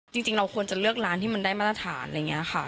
จริงเราควรจะเลือกร้านที่มันได้มาตรฐานอะไรอย่างนี้ค่ะ